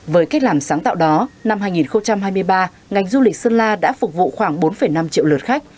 với cách làm sáng tạo đó năm hai nghìn hai mươi ba ngành du lịch sơn la đã phục vụ khoảng bốn năm triệu lượt khách